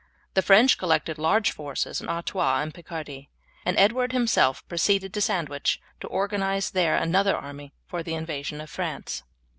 The French collected large forces in Artois and Picardy, and Edward himself proceeded to Sandwich to organize there another army for the invasion of France.